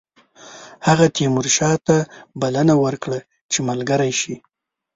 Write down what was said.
هغه تیمورشاه ته بلنه ورکړه چې ملګری شي.